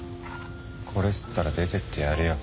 これ吸ったら出てってやるよ。